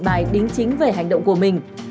lấy xe ra điện